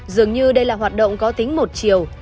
dường như đây là hoạt động có tính một chiều